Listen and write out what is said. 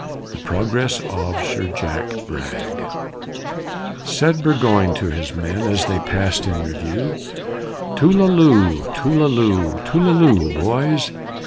THE PROGRESS OF SIR JACK BRAG Said Burgoyne to his men, as they passed in review, Tullalo, tullalo, tullalo, boys!